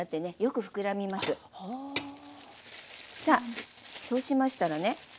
さあそうしましたらね